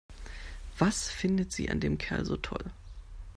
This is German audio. Was findet sie an dem Kerl so toll?